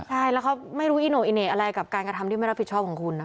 ใช่แล้วเขาไม่รู้อิโนอิเน่อะไรกับการกระทำที่ไม่รับผิดชอบของคุณนะ